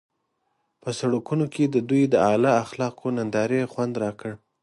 په سړکونو کې د دوی د اعلی اخلاقو نندارې خوند راکړ.